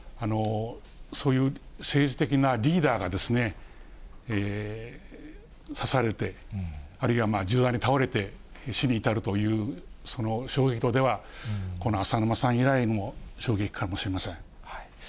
そういう政治的なリーダーが刺されて、あるいは銃弾に倒れて、死に至るという、その衝撃度では、この浅沼さん以来の衝撃かもしれません。